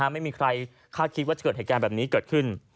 ไม่มีใครคาดคิดว่าจะเกิดเหตุการณ์แบบนี้เกิดขึ้น